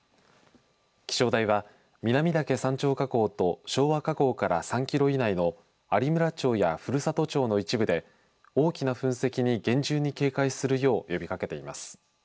気象台は南岳山頂火口と昭和火口から３キロ以内の有村町や古里町の一部で大きな噴石に厳重に警戒するよう呼びかけています。